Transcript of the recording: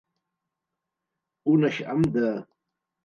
Un eixam de.